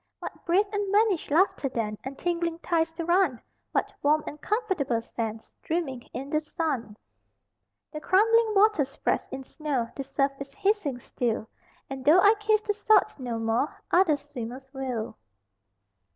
What brave and vanished laughter then And tingling thighs to run, What warm and comfortable sands Dreaming in the sun. The crumbling water spreads in snow, The surf is hissing still, And though I kiss the salt no more Other swimmers will.